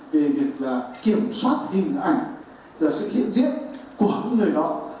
về việc kiểm soát hình ảnh và sự hiện diễn của những người đó